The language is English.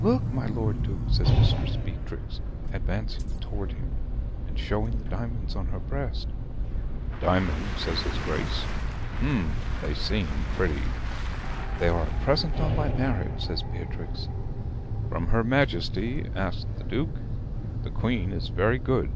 "Look, my Lord Duke," says Mistress Beatrix, advancing to him, and showing the diamonds on her breast. "Diamonds," says his Grace. "Hm! they seem pretty." "They are a present on my marriage," says Beatrix. "From her Majesty?" asks the Duke. "The Queen is very good."